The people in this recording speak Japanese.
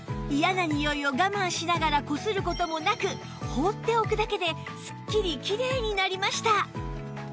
嫌なにおいを我慢しながらこする事もなく放っておくだけですっきりキレイになりました